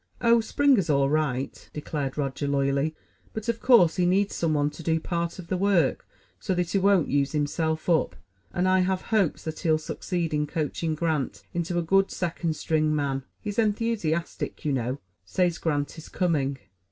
"Oh, Springer's all right," declared Roger loyally; "but, of course, he needs some one to do part of the work, so that he won't use himself up, and I have hopes that he'll succeed in coaching Grant into a good second string man. He's enthusiastic, you know; says Grant is coming."